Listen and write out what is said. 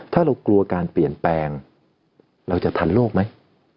ถ้าเรากลัวการเปลี่ยนแปลงเราจะทันโลกไหม